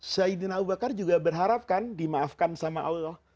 sayyidina abu bakar juga berharapkan dimaafkan oleh allah